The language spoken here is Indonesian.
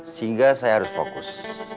sehingga saya harus fokus